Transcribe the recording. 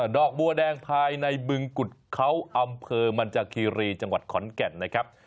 ดอกบัวแดงภายในบึงกุฎเขาอำเภอมันจากคีรีจังหวัดขอนแก่นนะครับ